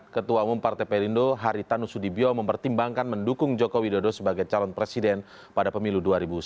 ketua umum partai perindo haritano sudibio mempertimbangkan mendukung joko widodo sebagai calon presiden pada pemilu dua ribu sembilan belas